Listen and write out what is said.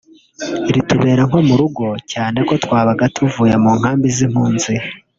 ritubera nko mu rugo cyane ko twabaga tuvuye mu nkambi z’impunzi